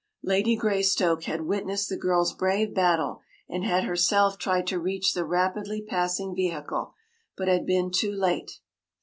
Lady Greystoke had witnessed the girl’s brave battle, and had herself tried to reach the rapidly passing vehicle, but had been too late.